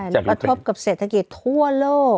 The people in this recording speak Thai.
และกระทบกับเศรษฐกิจทั่วโลก